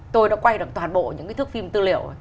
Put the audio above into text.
tôi đã quay được toàn bộ những cái thước phim tư liệu